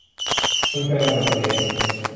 กลไกระเบิดตัวเอง